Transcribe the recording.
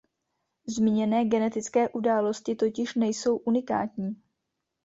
Zmíněné genetické události totiž nejsou unikátní.